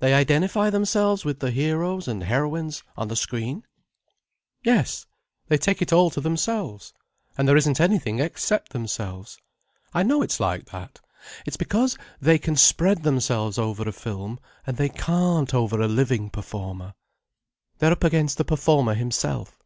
They identify themselves with the heroes and heroines on the screen?" "Yes—they take it all to themselves—and there isn't anything except themselves. I know it's like that. It's because they can spread themselves over a film, and they can't over a living performer. They're up against the performer himself.